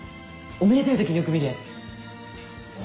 おめでたい時によく見る。